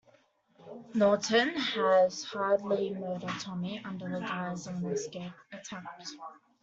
Norton has Hadley murder Tommy under the guise of an escape attempt.